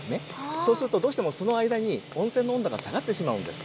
そうするとどうしてもその間に温泉の温度が下がってしまうんです。